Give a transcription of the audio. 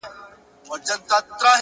حقیقت خپله لاره خپله جوړوي،